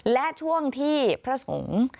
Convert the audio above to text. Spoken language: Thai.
และช่วงที่พระสงฆ์